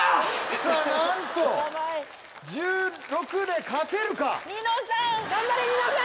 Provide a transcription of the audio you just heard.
さぁなんと１６で勝てるか？